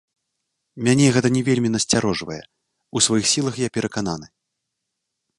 Мяне гэта не вельмі насцярожвае, у сваіх сілах я перакананы.